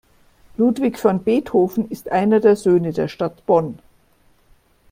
Ludwig van Beethoven ist einer der Söhne der Stadt Bonn.